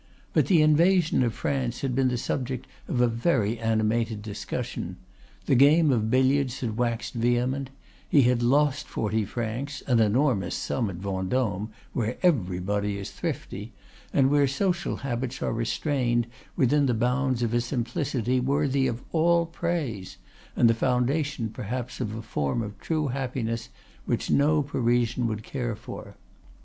But the invasion of France had been the subject of a very animated discussion; the game of billiards had waxed vehement; he had lost forty francs, an enormous sum at Vendôme, where everybody is thrifty, and where social habits are restrained within the bounds of a simplicity worthy of all praise, and the foundation perhaps of a form of true happiness which no Parisian would care for.